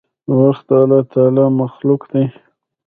وخت د الله تعالي مخلوق دی.